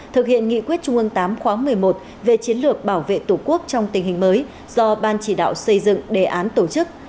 thực hiện nghị quyết trung ương tám khóa một mươi một về chiến lược bảo vệ tổ quốc trong tình hình mới do ban chỉ đạo xây dựng đề án tổ chức